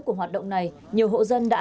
của hoạt động này nhiều hộ dân đã